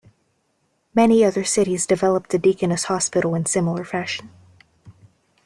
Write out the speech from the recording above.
Many other cities developed a deaconess hospital in similar fashion.